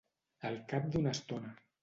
Al cap d'una estona.